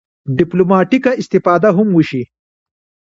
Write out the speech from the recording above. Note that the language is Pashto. ډیپلوماټیکه استفاده هم وشي.